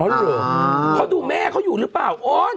อ๋อดูแล้วเข้าดูแม่เขาอยู่หรือเปล่าโอน